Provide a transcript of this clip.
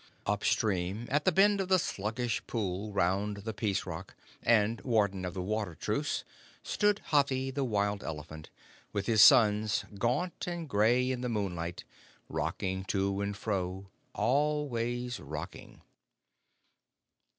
Up stream, at the bend of the sluggish pool round the Peace Rock, and Warden of the Water Truce, stood Hathi, the wild elephant, with his sons, gaunt and gray in the moonlight, rocking to and fro always rocking.